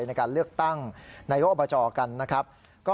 ในการเลือกตั้งนายกอบจกันนะครับ